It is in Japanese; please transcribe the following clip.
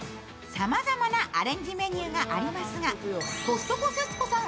さまざまなアレンジメニューがありますが、コストコ節子さん